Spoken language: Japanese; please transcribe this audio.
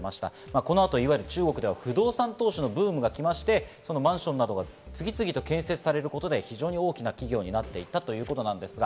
この後、中国では不動産投資のブームが来まして、マンションなどが次々と建設されることで非常に大きな企業になっていたということです。